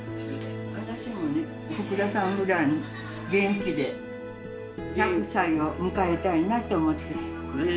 私もね福田さんぐらいに元気で１００歳を迎えたいなと思って。